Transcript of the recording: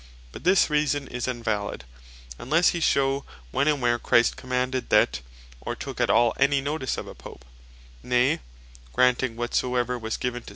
But this Reason is invalid, unlesse he shew when, and where Christ commanded that, or took at all any notice of a Pope: Nay granting whatsoever was given to S.